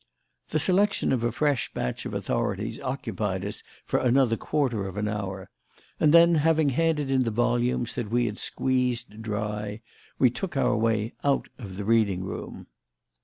The selection of a fresh batch of authorities occupied us for another quarter of an hour, and then, having handed in the volumes that we had squeezed dry, we took our way out of the reading room.